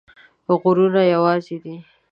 غرونه یوازي دي